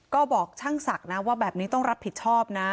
ก็บอกช่างศักดิ์นะว่าแบบนี้ต้องรับผิดชอบนะ